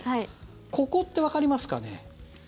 ここってわかりますかね？